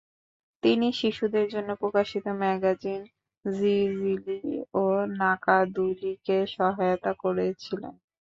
তিনি শিশুদের জন্য প্রকাশিত ম্যাগাজিন জিজিলি ও নাকাদুলিকে সহায়তা করেছিলেন।